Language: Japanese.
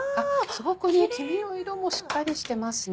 すごく黄身の色もしっかりしてますね。